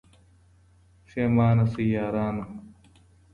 پښېمانه سئ یارانو